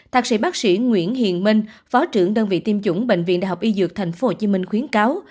thạc sĩ bác sĩ nguyễn hiền minh phó trưởng đơn vị tiêm chủng bệnh viện đại học y dược tp hcm khuyến cáo